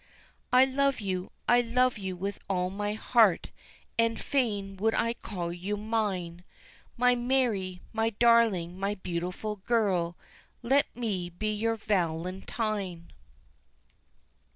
"I love you, I love you with all my heart, And fain would I call you mine, My Mary, my darling, my beautiful girl, Let me be your Valentine."